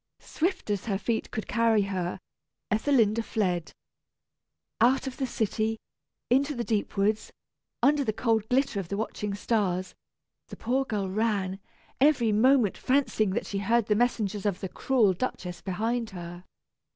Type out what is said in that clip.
Swift as her feet could carry her, Ethelinda fled. Out of the city, into the deep woods, under the cold glitter of the watching stars, the poor girl ran, every moment fancying that she heard the messengers of the cruel Duchess behind her.